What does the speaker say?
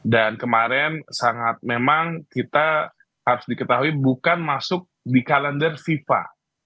dan kemarin sangat memang kita harus diketahui bukan masuk di kalender fifa